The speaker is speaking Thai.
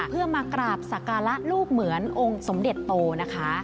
เพื่อมากราบสักการะลูกเหมือนองค์สมเด็จโตนะคะ